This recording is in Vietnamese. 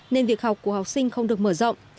nên việc học của học sinh không được mở rộng